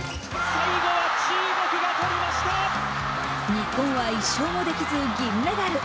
日本は１勝もできず銀メダル。